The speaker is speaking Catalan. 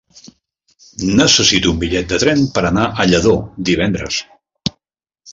Necessito un bitllet de tren per anar a Lladó divendres.